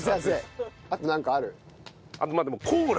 あとなんかある？